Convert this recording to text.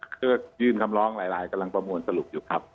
ก็ยื่นคำร้องหลายกำลังประมวลสรุปอยู่ครับ